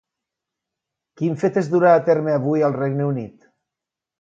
Quin fet es durà a terme avui al Regne Unit?